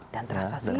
dan terasa sekali